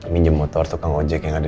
minjem motor tukang ojek yang ada